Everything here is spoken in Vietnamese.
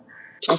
khi nào mẹ về